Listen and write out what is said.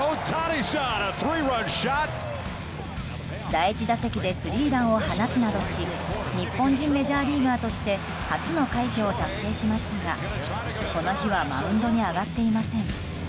第１打席でスリーランを放つなどし日本人メジャーリーガーとして初の快挙を達成しましたがこの日はマウンドに上がっていません。